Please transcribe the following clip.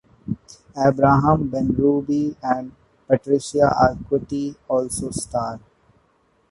Abraham Benrubi and Patricia Arquette also star.